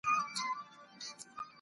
د استازو او خلګو اړیکه څنګه ساتل کیږي؟